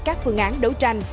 các phương án đấu tranh